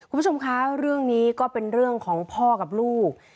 คุณผู้ชมคะเรื่องนี้ก็เป็นเรื่องของพ่อกับลูก